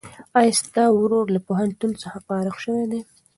ایا ستا ورور له پوهنتون څخه فارغ شوی دی؟